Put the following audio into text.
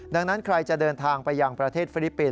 ดังนั้นใครจะเดินทางไปยังประเทศฟิลิปปินส